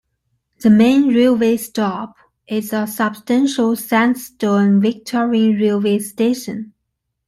The main railway stop is a substantial sand-stone Victorian railway station.